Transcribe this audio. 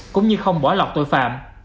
cũng như không bỏ lọt tội phạm